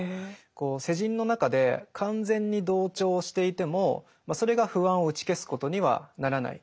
世人の中で完全に同調していてもそれが不安を打ち消すことにはならない。